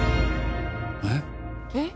えっ？えっ？